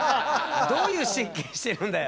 どういう神経してるんだよ。